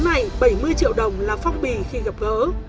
trong tuần này bảy mươi triệu đồng là phong bì khi gặp gỡ